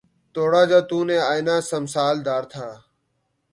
توڑا جو تو نے آئنہ تمثال دار تھا